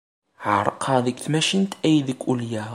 Ɛerqeɣ deg tmacint aydeg ulyeɣ.